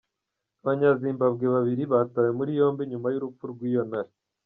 Abanya-Zimbabwe babiri batawe muri yombi nyuma y’urupfu rw’iyo ntare.